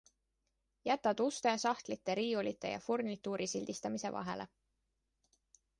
Jätad uste, sahtlite, riiulite ja furnituuri sildistamise vahele.